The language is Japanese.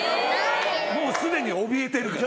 もうすでにおびえてるから。